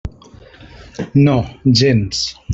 No, gens.